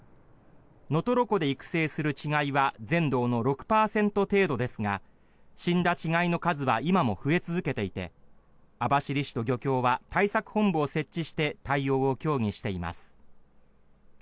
能取湖で育成する稚貝は全道の６％程度ですが死んだ稚貝の数は今も増え続けていて網走市と漁協は対策本部を設置して対応を協議しています。